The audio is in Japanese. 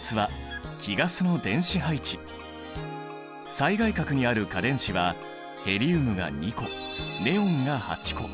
最外殻にある価電子はヘリウムが２個ネオンが８個。